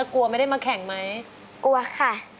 กลัวไม่ได้มาแข่งไหมกลัวค่ะ